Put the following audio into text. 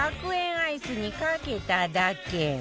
アイスにかけただけ